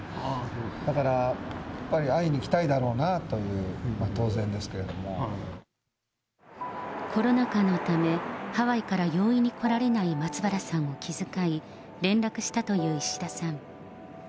だから、やっぱり会いに来たいだろうなっていう、当然ですけども。コロナ禍のためハワイから容易に来られない松原さんを気遣い、連絡したという石田さん。